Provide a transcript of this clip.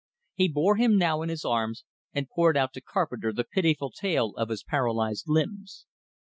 He bore him now in his arms, and poured out to Carpenter the pitiful tale of his paralyzed limbs.